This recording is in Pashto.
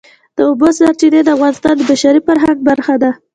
د اوبو سرچینې د افغانستان د بشري فرهنګ برخه ده.